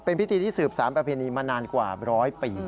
เป็นพิธีที่สืบสารประเพณีมานานกว่าร้อยปี